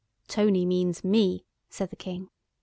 "Tony means Me," said the King.